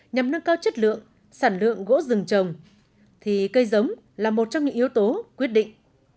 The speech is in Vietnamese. nhằm nâng cao chất lượng sản lượng gỗ rừng trồng thì cây giống là một trong những yếu tố quyết định